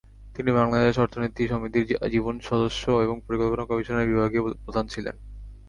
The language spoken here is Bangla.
তিনি বাংলাদেশ অর্থনীতি সমিতির জীবন সদস্য এবং পরিকল্পনা কমিশনের বিভাগীয় প্রধান ছিলেন।